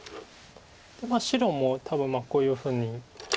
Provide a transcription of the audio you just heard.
まあ白も多分こういうふうに。